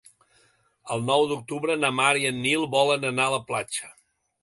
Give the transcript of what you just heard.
El nou d'octubre na Mar i en Nil volen anar a la platja.